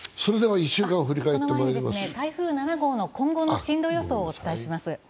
台風７号の最新の進路予想をお伝えします。